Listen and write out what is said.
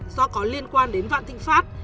do có liên quan đến vạn thịnh pháp